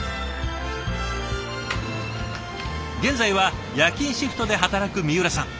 現在は夜勤シフトで働く三浦さん。